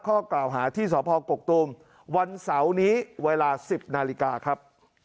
ข้อกล่าวหาที่สพกกตูมวันเสาร์นี้เวลา๑๐นาฬิกาครับ